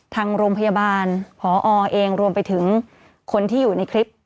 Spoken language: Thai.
ทางโรงพยาบาลพอเองรวมไปถึงคนที่อยู่ในคลิป